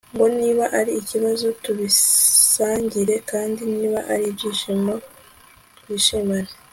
ngo niba ari ibibazo tubisangire kandi niba ari nibyishimo twishimane